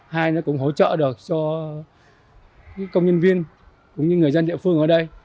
hai nó cũng hỗ trợ được cho công nhân viên cũng như người dân địa phương ở đây